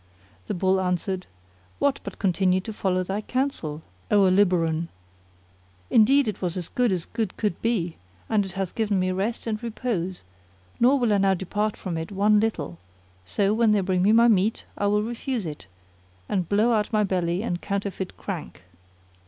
The Bull answered, "What but continue to follow thy counsel, O Aliboron? Indeed it was as good as good could be and it hath given me rest and repose; nor will I now depart from it one tittle: so, when they bring me my meat, I will refuse it and blow out my belly and counterfeit crank."